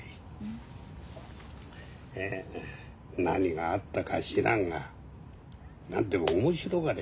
ん？何があったか知らんが何でも面白がれ。